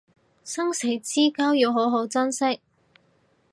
生死之交要好好珍惜